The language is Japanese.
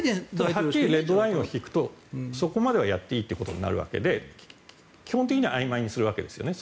はっきりレッドラインを引くとそこまではやっていいということになるわけで基本的にはあいまいにするわけですよね。